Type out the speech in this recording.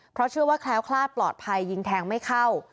เพราะเชื่อว่าแคล้วคลาดปลอดภัยยิงแทงไม่เข้า